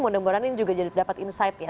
mudah mudahan ini juga jadi dapat insight ya